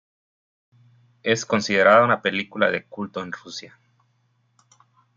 Es considerada una película de culto en Rusia.